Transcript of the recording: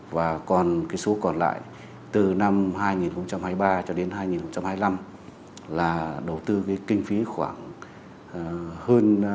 và còn số còn lại từ năm hai nghìn hai mươi ba cho đến hai nghìn hai mươi năm là đầu tư cái kinh phí khoảng hơn